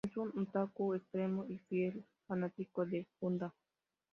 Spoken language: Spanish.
Es un otaku extremo y fiel fanático de Gundam.